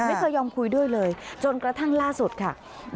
ไม่เคยยอมคุยด้วยเลยจนกระทั่งล่าสุดค่ะ